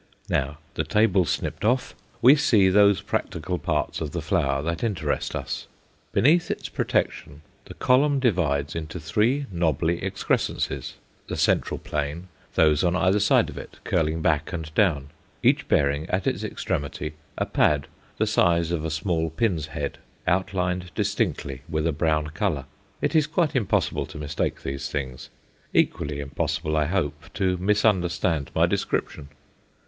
Now the table snipped off we see those practical parts of the flower that interest us. Beneath its protection, the column divides into three knobbly excrescences, the central plain, those on either side of it curling back and down, each bearing at its extremity a pad, the size of a small pin's head, outlined distinctly with a brown colour. It is quite impossible to mistake these things; equally impossible, I hope, to misunderstand my description.